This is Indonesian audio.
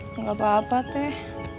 nggak apa apa teh